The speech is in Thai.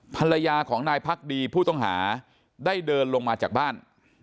ภรรยาของนายพักดีผู้ต้องหาได้เดินลงมาจากบ้าน